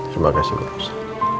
terima kasih bu elsa